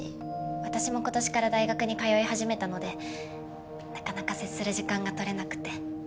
私も今年から大学に通い始めたのでなかなか接する時間が取れなくて。